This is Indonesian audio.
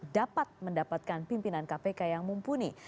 dapat mendapatkan pimpinan kpk yang mumpuni